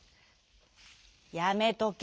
「やめとけ。